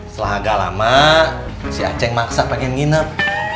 setelah agak lama si acing maksa pengen ngindep